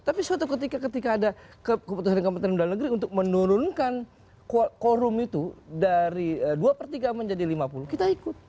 tapi suatu ketika ada keputusan kementerian dalam negeri untuk menurunkan korum itu dari dua per tiga menjadi lima puluh kita ikut